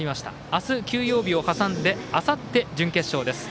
あす、休養日を挟んであさって、準決勝です。